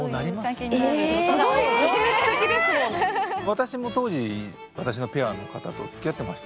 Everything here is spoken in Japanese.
私も当時私のペアの方とつきあってましたからね。